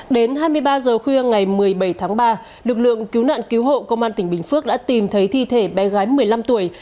đến hai mươi ba h khuya ngày một mươi bảy tháng ba lực lượng cứu nạn cứu hộ công an tỉnh bình phước đã tìm thấy thi thể bé gái một mươi năm tuổi